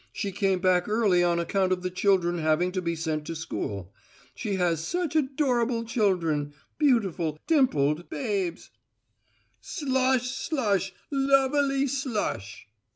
"She came back early on account of the children having to be sent to school. She has such adorable children beautiful, dimpled babes " "SLUSH! SLUSH! LUV A LY SLUSH!"